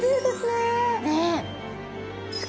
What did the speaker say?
ねえ。